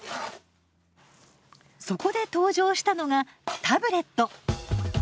そこで登場したのがタブレット。